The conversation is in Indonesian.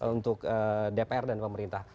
untuk dpr dan pemerintah